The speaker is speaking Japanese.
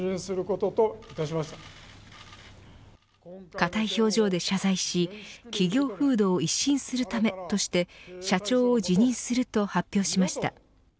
硬い表情で謝罪し企業風土を一新するためとして社長辞任すると発表しました。